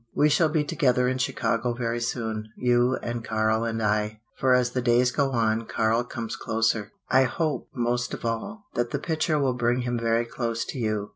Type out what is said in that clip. "We shall be together in Chicago very soon you and Karl and I. For as the days go on Karl comes closer. I hope, most of all, that the picture will bring him very close to you."